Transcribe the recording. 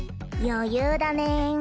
余裕だねぇ。